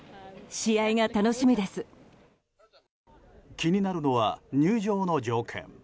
気になるのは、入場の条件。